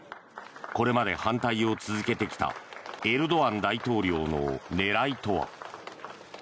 これまで反対を続けてきたエルドアン大統領の狙いとは。